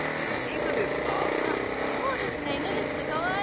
そうですね犬ですね。